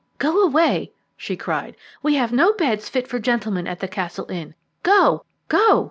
"Go away!" she cried; "we have no beds fit for gentlemen at the Castle Inn. Go! go!"